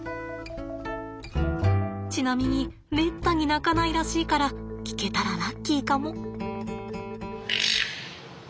ちなみにめったに鳴かないらしいから聞けたらラッキーかも。